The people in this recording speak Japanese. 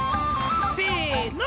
せの！